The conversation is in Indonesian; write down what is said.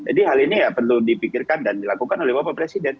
jadi hal ini ya perlu dipikirkan dan dilakukan oleh bapak presiden